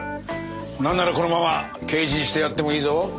なんならこのまま刑事にしてやってもいいぞ。